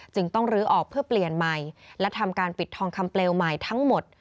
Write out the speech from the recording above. จึงต้องลื้อออกเพื่อเปลี่ยนใหม่และทำการปิดทองคำเปลวใหม่ทั้งหมด